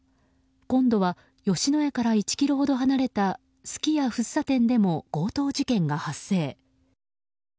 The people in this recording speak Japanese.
今度は吉野家から１ｋｍほど離れたすき家福生店でも強盗事件が発生。